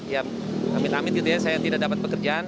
ya amit amit gitu ya saya tidak dapat pekerjaan